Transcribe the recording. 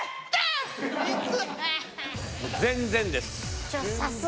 全然です。